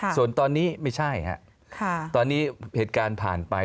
ส่วนตอนนี้ไม่ใช่ครับตอนนี้เหตุการณ์ผ่านไป